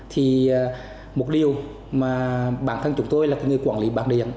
thì một điều mà bản thân chúng tôi là người quản lý bản điện